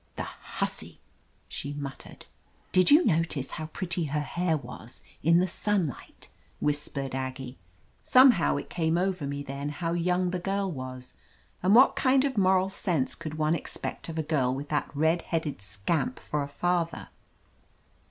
"The hussy !" she muttered. "Did you notice how pretty her hair was in the sunlight? whispered Aggie. Somehow it came over me then how young the girl was, and what kind of moral sense could one expect of a girl with that red headed scamp for a father?